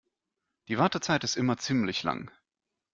Die Wartezeit ist immer ziemlich lang.